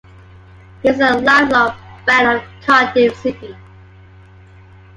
He is a lifelong fan of Cardiff City.